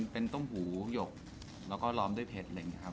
เป็นต้มหูหยกแล้วก็ล้อมด้วยเพชรอะไรอย่างนี้ครับ